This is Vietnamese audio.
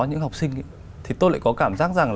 những học sinh thì tôi lại có cảm giác rằng